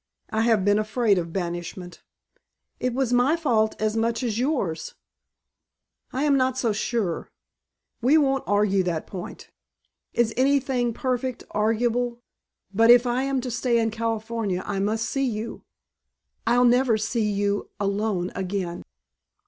"I have been afraid of banishment." "It was my fault as much as yours." "I am not so sure. We won't argue that point. Is anything perfect arguable? But if I am to stay in San Francisco I must see you." "I'll never see you alone again."